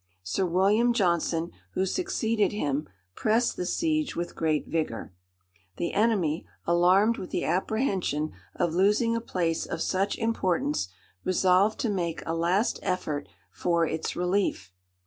Sir William Johnson, who succeeded him, pressed the siege with great vigour. The enemy, alarmed with the apprehension of losing a place of such importance, resolved to make a last effort for its relief.